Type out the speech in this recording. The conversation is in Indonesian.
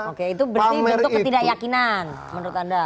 oke itu berarti bentuk ketidakyakinan menurut anda